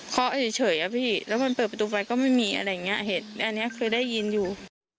เขาเฉยอะพี่แล้วมันเปิดประตูไปก็ไม่มีอะไรอย่างนี้เห็นอันนี้คือได้ยินอยู่